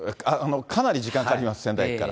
かなり時間かかります、仙台駅から。